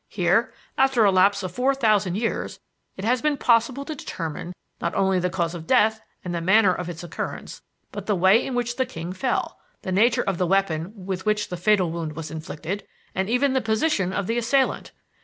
Here, after a lapse of four thousand years, it has been possible to determine not only the cause of death and the manner of its occurrence, but the way in which the king fell, the nature of the weapon with which the fatal wound was inflicted, and even the position of the assailant.